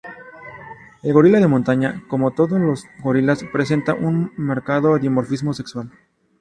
El gorila de montaña, como todos los gorilas, presenta un marcado dimorfismo sexual.